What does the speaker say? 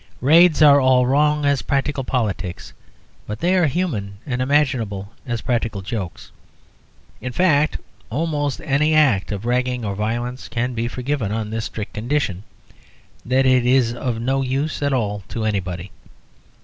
Raids are all wrong as practical politics, but they are human and imaginable as practical jokes. In fact, almost any act of ragging or violence can be forgiven on this strict condition that it is of no use at all to anybody.